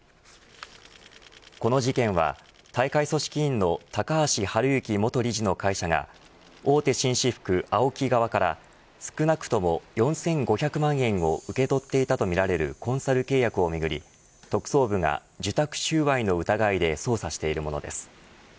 この事件は大会組織委の高橋治之元理事の会社が大手紳士服ＡＯＫＩ側から少なくとも４５００万円を受け取っていたとみられるコンサル契約をめぐり特捜部が受託収賄の疑いで捜査しているものです。